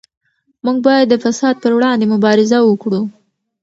موږ باید د فساد پر وړاندې مبارزه وکړو.